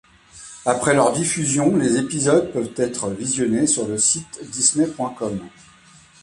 Après leur diffusion, les épisodes peuvent être visionné sur le site Disney.com.